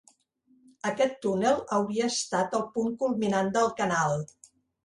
Aquest túnel hauria estat el punt culminant del canal.